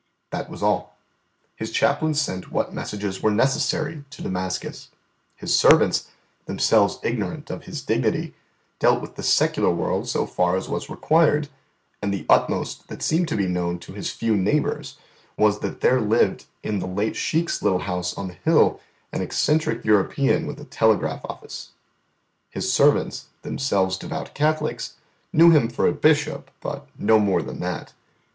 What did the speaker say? That was all. His chaplain sent what messages were necessary to Damascus; His servants, themselves ignorant of His dignity, dealt with the secular world so far as was required, and the utmost that seemed to be known to His few neighbours was that there lived in the late Sheikh's little house on the hill an eccentric European with a telegraph office. His servants, themselves devout Catholics, knew Him for a bishop, but no more than that.